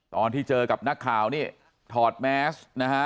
ตอนที่เจอกับนักข่าวถอดแมส